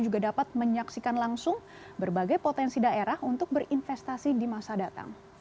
juga dapat menyaksikan langsung berbagai potensi daerah untuk berinvestasi di masa datang